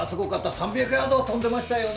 ３００ヤードは飛んでましたよね。